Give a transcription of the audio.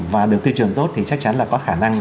và được tiêu chuẩn tốt thì chắc chắn là có khả năng